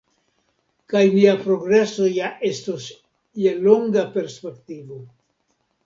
Kaj nia progreso ja estos je longa perspektivo.